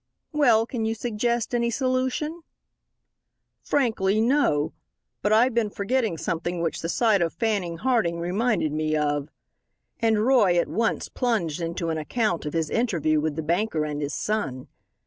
"Well, can you suggest any solution?" "Frankly no. But I've been forgetting something which the sight of Fanning Harding reminded me of," and Roy at once plunged into an account of his interview with the banker and his son.